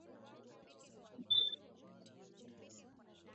na yanayotokea kanda ya Afrika Mashariki na Kati, katika kila nyanja ya habari.